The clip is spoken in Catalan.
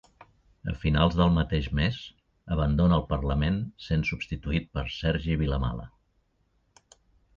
A finals del mateix mes, abandona el Parlament sent substituït per Sergi Vilamala.